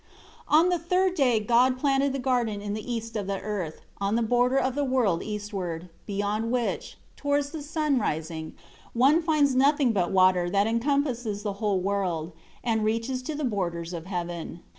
1 On the third day, God planted the garden in the east of the earth, on the border of the world eastward, beyond which, towards the sun rising, one finds nothing but water, that encompasses the whole world, and reaches to the borders of heaven.